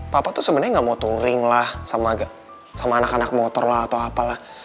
papa tuh sebenarnya gak mau touring lah sama anak anak motor lah atau apalah